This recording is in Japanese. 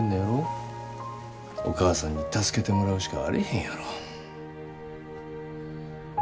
お義母さんに助けてもらうしかあれへんやろ。